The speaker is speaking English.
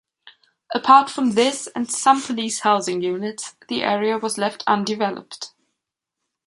Apart from this and some police housing units, the area was left undeveloped.